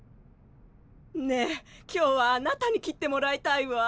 ねえ今日はあなたに切ってもらいたいわ！